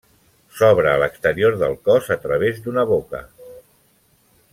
S'obre a l'exterior del cos a través d'una boca.